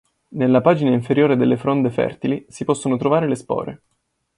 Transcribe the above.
Nella pagina inferiore delle fronde fertili si possono trovare le spore.